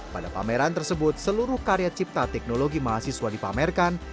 pada pameran tersebut seluruh karya cipta teknologi mahasiswa dipamerkan